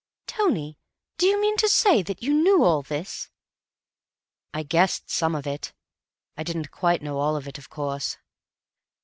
"Tony, do you mean to say that you knew all this?" "I guessed some of it. I didn't quite know all of it, of course."